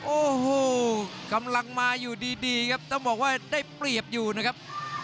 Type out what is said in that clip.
โอ้โหกำลังมาอยู่ดีครับต้องบอกว่าได้เปรียบอยู่นะครับ